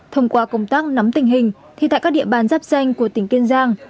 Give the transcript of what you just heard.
thông qua công tác nắm tình hình thì tại các địa bàn giáp danh của tỉnh kiên giang